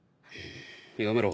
やめろ。